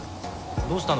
どうしたの？